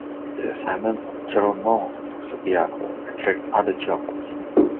The assignment of German monks to Subiaco attracted other Germans.